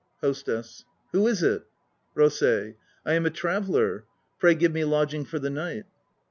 HOSTESS. Who is it? ROSEI. I am a traveller; pray give me lodging for the night.